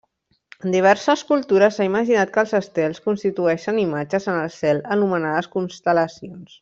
En diverses cultures s'ha imaginat que els estels constitueixen imatges en el cel anomenades constel·lacions.